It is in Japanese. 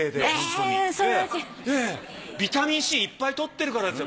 ビタミンＣいっぱい摂ってるからですよ。